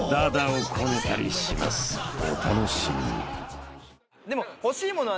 ［お楽しみに！］